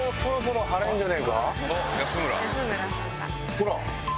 ほら！